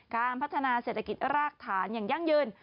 การพัฒนาเศรษฐกิจรากฐานอย่างยั่งยืน